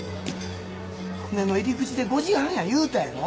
船の入り口で５時半や言うたやろ？